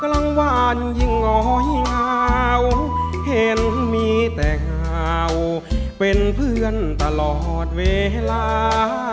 กลางวันยิ่งงอยงาเห็นมีแต่ข่าวเป็นเพื่อนตลอดเวลา